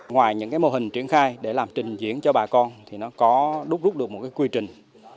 ngoài những mô hình triển khai để làm trình diễn cho bà con thì nó có đúc rút được một quy trình